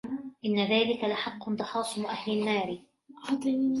إِنَّ ذلِكَ لَحَقٌّ تَخاصُمُ أَهلِ النّارِ